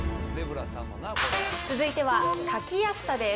続いては書きやすさです。